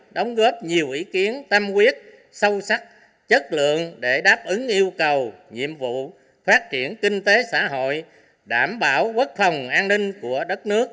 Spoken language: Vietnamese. đóng góp nhiều ý kiến tâm quyết sâu sắc chất lượng để đáp ứng yêu cầu nhiệm vụ phát triển kinh tế xã hội đảm bảo quốc phòng an ninh của đất nước